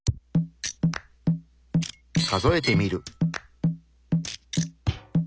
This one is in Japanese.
数えてみる。